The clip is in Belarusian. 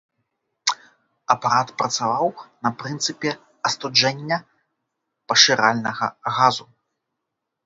Апарат працаваў на прынцыпе астуджэння пашыральнага газу.